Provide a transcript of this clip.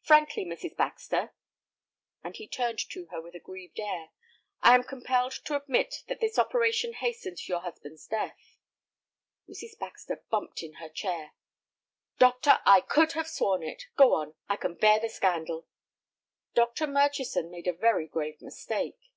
"Frankly, Mrs. Baxter," and he turned to her with a grieved air, "I am compelled to admit that this operation hastened your husband's death." Mrs. Baxter bumped in her chair. "Doctor, I could have sworn it. Go on, I can bear the scandal." "Dr. Murchison made a very grave mistake."